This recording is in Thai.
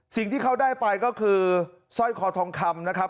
สิ่งที่เขาได้ไปก็คือสร้อยคอทองคำนะครับ